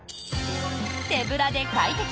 手ぶらで快適！